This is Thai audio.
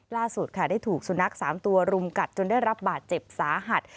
ล่าสุดค่ะได้ถูกสุนัข๓ตัวรุมกัดจนได้รับบาดเจ็บสาหัส